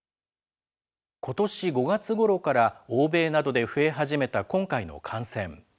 ことし５月ごろから、欧米などで増え始めた今回の感染。